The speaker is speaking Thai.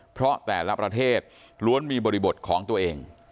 เพราะแต่ละประเทศล้วนมีบริบทของตัวเอง